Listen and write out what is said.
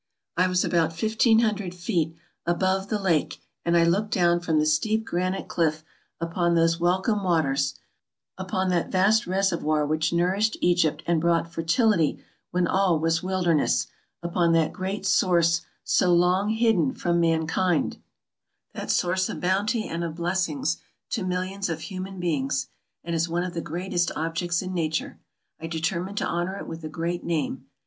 I was about 1 500 feet above the lake, and I looked down from the steep granite cliff upon those welcome waters — upon that vast reservoir which nourished Egypt and brought fertility where all was wilder ness— upon that great source so long hidden from mankind ; that source of bounty and of blessings to millions of human beings ; and as one of the greatest objects in nature, I deter mined to honor it with a great name.